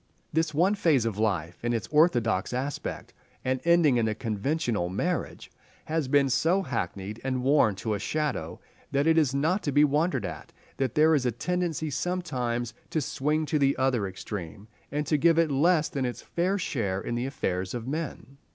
This one phase of life in its orthodox aspect, and ending in the conventional marriage, has been so hackneyed and worn to a shadow, that it is not to be wondered at that there is a tendency sometimes to swing to the other extreme, and to give it less than its fair share in the affairs of men.